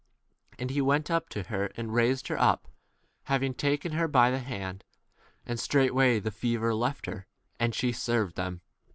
And he went up to [her] and raised her up, hav ing taken her by the hand, and straightway the fever left her, 32 and she served them.